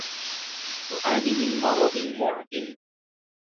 تعاني من مرض معد.